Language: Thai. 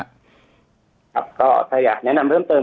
ครับก็ถ้าอยากแนะนำเพิ่มเติม